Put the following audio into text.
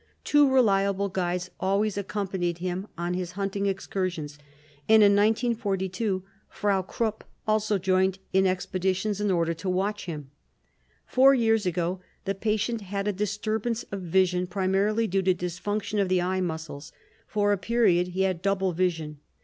Two reliable guides always accompanied him on his hunting excursions, and in 1942 Frau Krupp also joined in expeditions in order to watch him. Four years ago, the patient had a disturbance of vision primarily due to dysfunction of the eye muscles. For a period he had double vision.